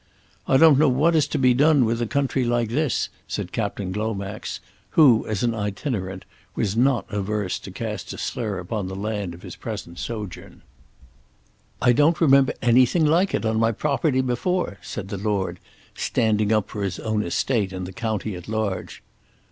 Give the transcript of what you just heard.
"I don't know what is to be done with a country like this," said Captain Glomax, who, as an itinerant, was not averse to cast a slur upon the land of his present sojourn. "I don't remember anything like it on my property before," said the lord, standing up for his own estate and the county at large.